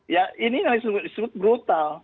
ya ini yang disebut brutal